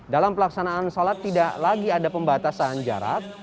dalam pelaksanaan sholat tidak lagi ada pembatasan jarak